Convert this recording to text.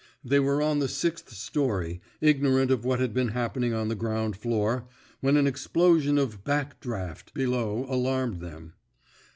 They were on the sixth story, ignorant of what had been happening on the ground floor, when an explosion of back draft '* below alarmed them.